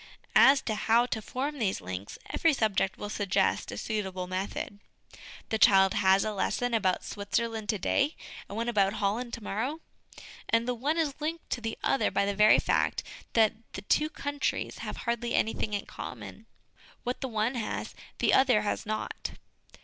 As to how to form these links, every subject will suggest a suitable method. The child has a lesson about Switzerland to day, and one about Holland to morrow, and the one is linked to SOME HABITS OF MIND SOME MORAL HABITS 159 the other by the very fact that the two countries have hardly anything in common ; what the one has, the other has not.